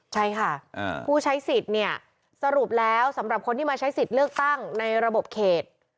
ใช่ค่ะผู้ใช้สิทธิ์เนี่ยสรุปแล้วสำหรับคนที่มาใช้สิทธิ์เลือกตั้งในระบบเขต